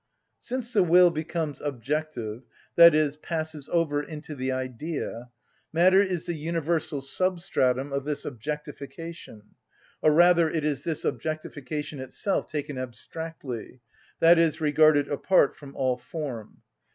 Since the will becomes objective, i.e., passes over into the idea, matter is the universal substratum of this objectification, or rather it is this objectification itself taken abstractly, i.e., regarded apart from all form.